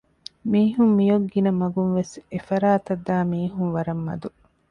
މީހުން މިއޮއް ގިނަ މަގުންވެސް އެފަރާތަށްދާ މީހުން ވަރަށް މަދު